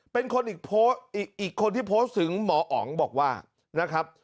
เป็นคนอีกคนที่โพสต์ถึงหมออ๋อ๋อ๋งบอกว่านะครับ